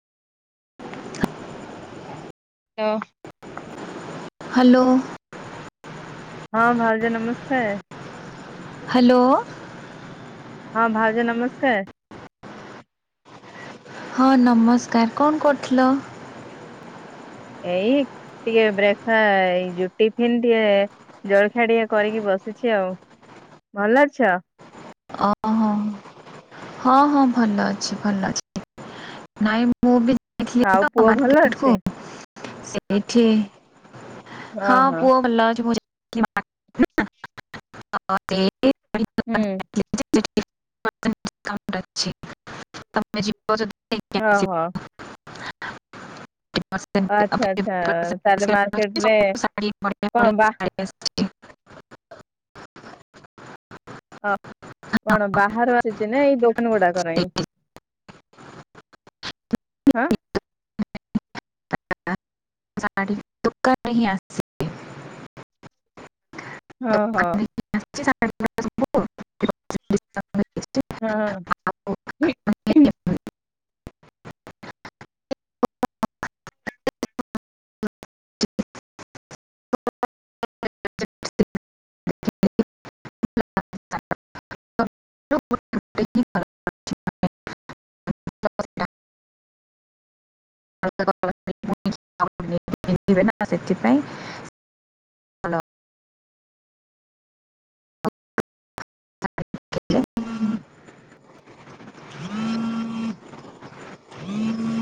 ହଁ। ହାଲୋ। ହଁ ଭାଉଜ ନମସ୍କାର। ହ୍ୟାଲୋ। ହଁ ଭାଉଜ ନମସ୍କାର। ହଁ ନମସ୍କାର କଣ କରୁଥିଲ? ଏଇ ଟିକେ ବ୍ରେକ୍ଫା ଏଇ ଯୋଉ ଟିଫିନ ଟିକେ ଜଳଖିଆ ଟିକେ କରିକି ବସିଛି ଆଉ ଭଲ ଅଛ? ଓହୋ ହଁ ହଁ ଭଲ ଅଛି ଭଲ ଅଛି। ନାଇଁ ମୁଁ ବି ଯାଇଥିଲି ଆଉ ତ ପୁଅ ଭଲ ମାର୍କେଟ କୁ ଅଛି? ସେଇଠି ହଁ ଓହୋ ପୁଅ ଭଲ ଅଛି [unintelligible] ଦୋକାନ ହୁଁ। [unintelligible] ତମେ ଯିବ ନେଇକି ଓ ଆସିବ ହୋ। ଆଚ୍ଛା ଆଚ୍ଛା ତାହେଲେ ମାର୍କେଟ ରେ କଣ ବା [unintelligible] କଣ ବାହାରୁ ଆସିଚି ନା ଏଇ ଦୋକାନ ଗୁଡାକର ଏଇ ସେଇଠି ହାଁ। ଯା- ଶାଢ଼ୀ ଦୋକାନ ହିଁ ଅସଚି ଓ ହ। [unintelligible] ହଁ। [unintelligible] [unintelligible] ଆଉ ନେଇକି ଯିବେ ନା ସେଥିପାଇଁ [unintelligible]